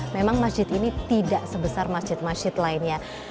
memang masjid ini tidak sebesar masjid masjid lainnya